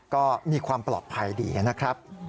ก็มีความปลอดภัยดีนะครับ